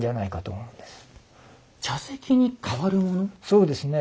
そうですね。